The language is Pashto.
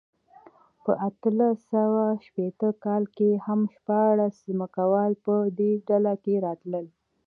په اتلس سوه شپېته کال کې هم شپاړس ځمکوال په دې ډله کې راتلل.